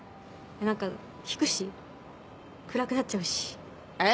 なんか引くし暗くなっちゃうしあれ？